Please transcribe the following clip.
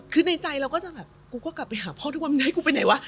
คือในใจเราก็จะแบบกูก็กลับไปหาพ่อทุกวันมึงให้กูไปไหนวะ